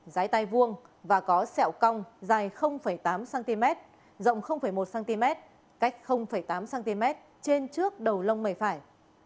rái tay vuông và có sẹo cong dài tám cm rộng một cm cách tám cm trên trước đầu lông mầy phải